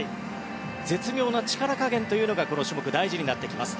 絶妙な力加減がこの種目、大事になってきます。